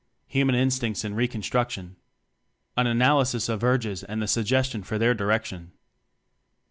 Human Instincts in Reconstruction. An Analysis of Urges and a Suggestion For Their Direction.